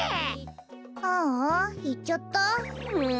ああいっちゃった。